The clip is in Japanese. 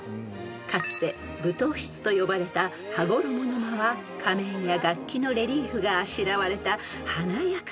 ［かつて舞踏室と呼ばれた羽衣の間は仮面や楽器のレリーフがあしらわれた華やかなお部屋］